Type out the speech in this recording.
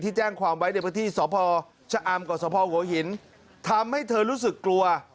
แจ้งความไว้ในพื้นที่สพชะอำกับสภหัวหินทำให้เธอรู้สึกกลัว